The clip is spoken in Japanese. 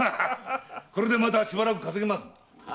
これでまたしばらく稼げますな。